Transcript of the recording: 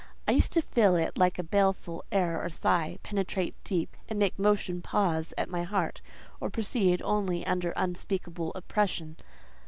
I used to feel it like a baleful air or sigh, penetrate deep, and make motion pause at my heart, or proceed only under unspeakable oppression.